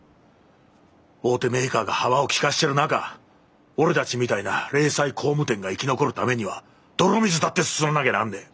大手メーカーが幅を利かせてる中俺たちみたいな零細工務店が生き残るためには泥水だってすすんなきゃなんねえ！